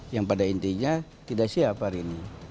yang pada intinya tidak siap hari ini